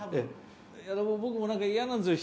僕も何か嫌なんですよ